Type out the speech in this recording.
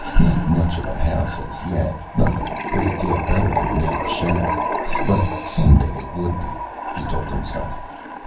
Not much of a house as yet. Not a great deal better than a native shack. But someday it would be, he told himself.